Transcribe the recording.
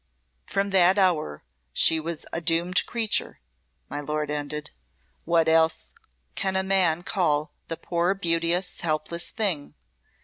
"From that hour she was a doomed creature," my Lord ended. "What else can a man call the poor beauteous, helpless thing.